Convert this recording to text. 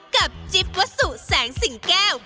จิ๊บวัสสุแสงสิงแก้ว